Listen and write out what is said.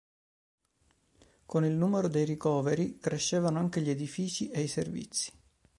Con il numero dei ricoveri crescevano anche gli edifici e i servizi.